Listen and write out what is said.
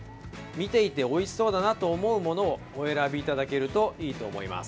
見ていておいしそうだなと思うものをお選びいただけるといいと思います。